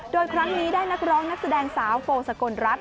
โดยครั้งนี้ได้นักร้องนักแสดงสาวโฟสกลรัฐ